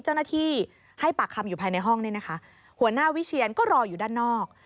เจ้าหน้าที่ให้ปากคำอยู่ภายในห้องหัวหน้าวิเชียนก็รออยู่ด้านนอก